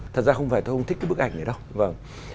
thật ra không phải tôi không thích cái bức ảnh này đâu